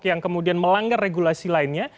yang kemudian melanggar regulasi lainnya